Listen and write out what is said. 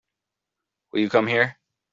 Will you come here?